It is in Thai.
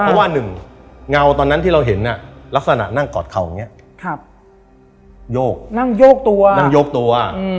เพราะว่าหนึ่งเงาตอนนั้นที่เราเห็นลักษณะนั่งกอดเข่าอย่างนี้โยกนั่งโยกตัวนั่งโยกตัว